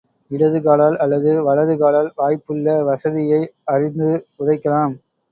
இடது காலால் அல்லது வலது காலால், வாய்ப்புள்ள வசதியை அறிந்து உதைக்கலாம்.